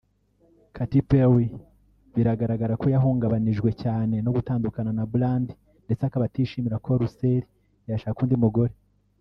Katy Perry biragaragara ko yahungabanijwe cyane no gutandukana na Brand ndetse akaba atishimira ko Russell yashaka undi mugore